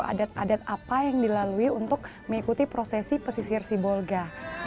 adat adat apa yang dilalui untuk mengikuti prosesi pesisir sibolga